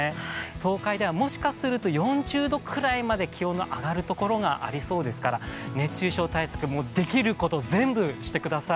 東海ではもしかすると４０度くらいまで気温が上がるところがありそうですから熱中症対策、できること全部してください。